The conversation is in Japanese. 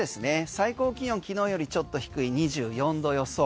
最高気温昨日よりちょっと低い２４度予想。